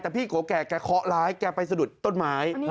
แต่พี่โกแก่แกเคาะร้ายแกไปสะดุดต้นไม้